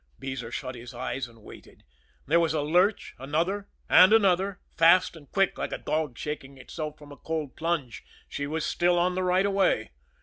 Beezer shut his eyes and waited. There was a lurch, another and another, fast and quick like a dog shaking itself from a cold plunge she was still on the right of way.